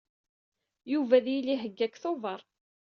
Yuba ad yili ihegga deg Tubeṛ.